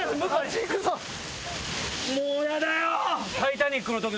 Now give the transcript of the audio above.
もうやだよ！